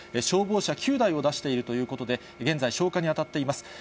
消防車９台を出しているということで、現在、消火に当たっています。